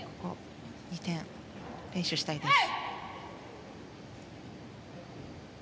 ２点連取したいです。